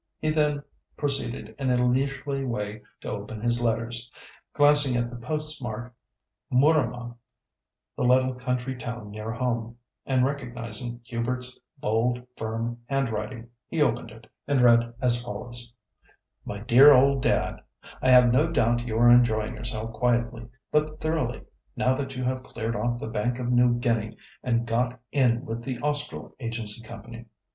He then proceeded in a leisurely way to open his letters. Glancing at the postmark "Mooramah," the little country town near home, and recognising Hubert's bold, firm handwriting, he opened it, and read as follows:— "MY DEAR OLD DAD,—I have no doubt you are enjoying yourself quietly, but thoroughly, now that you have cleared off the Bank of New Guinea and got in with the Austral Agency Company.